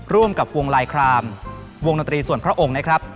ร่วมกับวงลายครามวงดนตรีส่วนพระองค์นะครับ